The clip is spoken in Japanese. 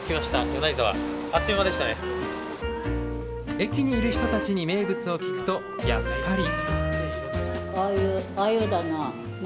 駅にいる人たちに名物を聞くとやっぱり。